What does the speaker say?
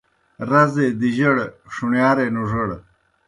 رزے دِجَڑ ݜُݨیارے نُوڙَڑ